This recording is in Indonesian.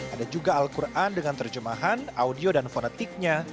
ada juga al quran dengan terjemahan audio dan vonetiknya